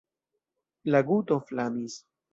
La guto flamis.